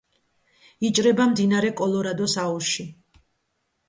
იჭრება მდინარე კოლორადოს აუზში.